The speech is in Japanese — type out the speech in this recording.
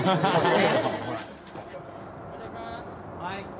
はい！